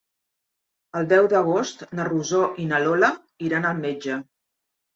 El deu d'agost na Rosó i na Lola iran al metge.